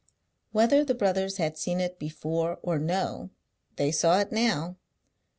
Whether the brothers had seen it before or no, they saw it now.